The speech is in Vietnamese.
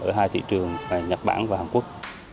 ở hai thị trường nhật bản và hàn quốc